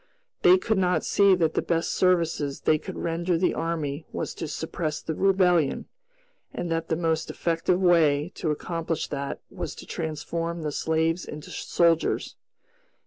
They could not see that the best service they could render the army was to suppress the Rebellion, and that the most effective way to accomplish that was to transform the slaves into soldiers.